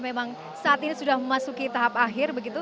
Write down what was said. memang saat ini sudah memasuki tahap akhir begitu